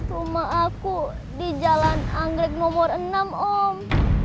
cuma aku di jalan anggrek nomor enam om